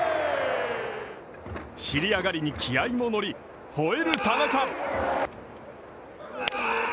尻上がりに気合いも乗り、ほえる田中。